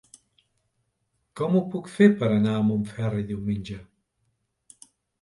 Com ho puc fer per anar a Montferri diumenge?